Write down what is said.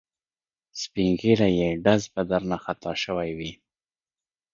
سپین ږیری یې ډز به درنه خطا شوی وي.